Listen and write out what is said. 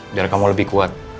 biar kamu lebih kuat